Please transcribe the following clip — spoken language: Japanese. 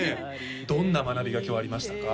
どんな学びが今日ありましたか？